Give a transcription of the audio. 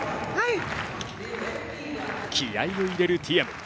気合いを入れるティアム。